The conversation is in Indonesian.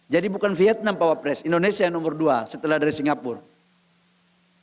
jadi bukan vietnam bapak bapak pres indonesia yang nomor dua setelah dari singapura